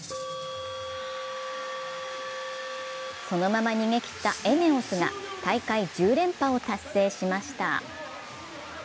そのまま逃げきったＥＮＥＯＳが大会１０連覇を達成しました。